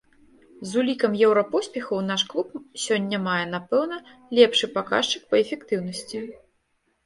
З улікам еўрапоспехаў наш клуб сёння мае, напэўна, лепшы паказчык па эфектыўнасці.